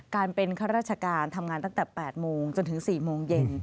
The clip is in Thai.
การเป็นข้าราชการทำงานตั้งแต่๘โมงจนถึง๔โมงเย็น